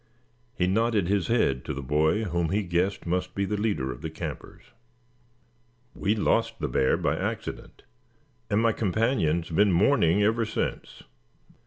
He nodded his head to the boy whom he guessed must be the leader of the campers. "We lost the bear by accident, and my companion has been mourning ever since.